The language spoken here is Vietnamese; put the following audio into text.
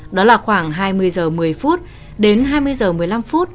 đó là khoảng hai mươi h một mươi đến hai mươi h một mươi năm phút